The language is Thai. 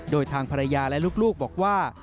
โดยทางภรรยาและลูกบอกว่า